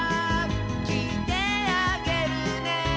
「きいてあげるね」